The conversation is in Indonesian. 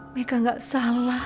meka gak salah